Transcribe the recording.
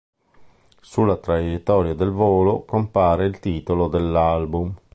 Sulla traiettoria del volo compare il titolo dell'album.